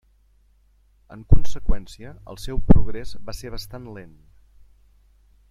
En conseqüència, el seu progrés va ser bastant lent.